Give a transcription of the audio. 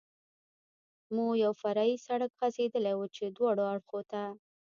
مو یو فرعي سړک غځېدلی و، چې دواړو اړخو ته.